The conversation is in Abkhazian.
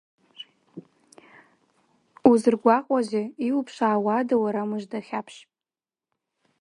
Узыргәаҟуазеи, иуԥшаауада, уара мыжда, Хьаԥшь?